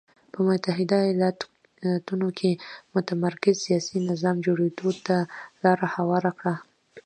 په متحده ایالتونو کې متمرکز سیاسي نظام جوړېدو ته لار هواره کړه.